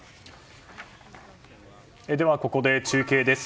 ではここで中継です。